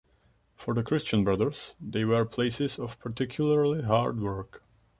For the Christian Brothers they were places of particularly hard work.